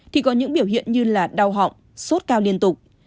thì có những biểu hiện như là đau họng sốt cao liên tục